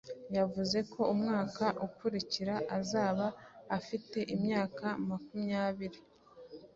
Yavuze ko umwaka ukurikira azaba afite imyaka makumyabiri.